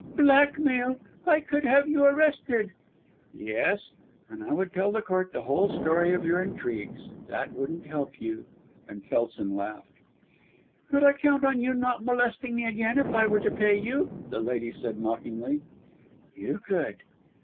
"Blackmail! I could have you arrested!" "Yes, and I would tell the court the whole history of your intrigues! That wouldn't help you," and Kelson laughed. "Could I count on you not molesting me again if I were to pay you?" the lady said mockingly. "You could."